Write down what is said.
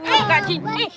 eh apaan sih ini